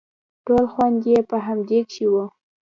ټول خوند يې په همدې کښې و.